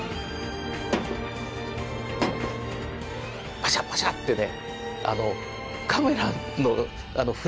パシャパシャってね